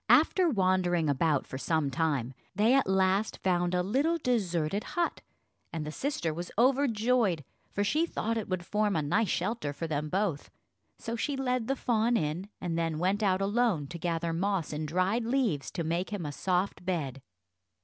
After wandering about for some time, they at last found a little deserted hut, and the sister was overjoyed, for she thought it would form a nice shelter for them both. So she led the fawn in, and then went out alone, to gather moss and dried leaves, to make him a soft bed.